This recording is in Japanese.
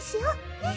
ねっ？